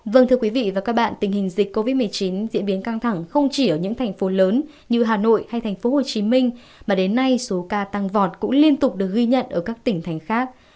vâng thưa quý vị và các bạn tình hình dịch covid một mươi chín diễn biến căng thẳng không chỉ ở những thành phố lớn như hà nội hay thành phố hồ chí minh mà đến nay số ca tăng vọt cũng liên tục được ghi nhận ở các tỉnh thành khác